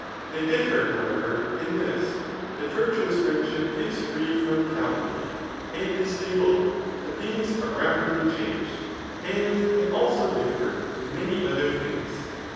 They differ, however, in this, that virtuous fiiaid ship is free from calumny, and is stable ; but these are rapidly changed,' and they also differ in many other things.